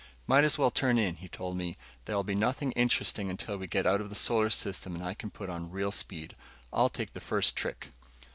"Might as well turn in," he told me. "There'll be nothing interesting until we get out of the solar system and I can put on real speed. I'll take the first trick."